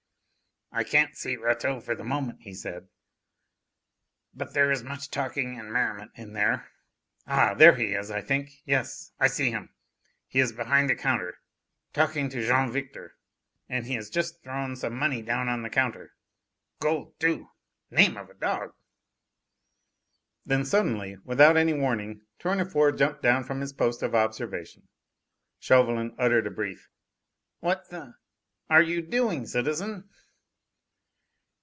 "I can't see Rateau for the moment," he said, "but there is much talking and merriment in there. Ah! there he is, I think. Yes, I see him!... He is behind the counter, talking to Jean Victor ... and he has just thrown some money down upon the counter.... gold too! name of a dog...." Then suddenly, without any warning, Tournefort jumped down from his post of observation. Chauvelin uttered a brief: "What the are you doing, citizen?"